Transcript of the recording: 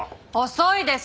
遅いですよ。